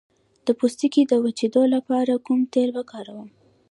د پوستکي د وچیدو لپاره کوم تېل وکاروم؟